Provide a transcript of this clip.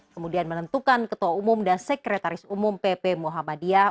kemudian menentukan ketua umum dan sekretaris umum pp muhammadiyah